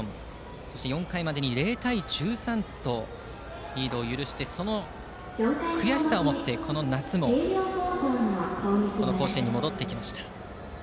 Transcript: そして４回までに０対１３とリードを許してその悔しさをもってこの夏も甲子園に戻ってきました。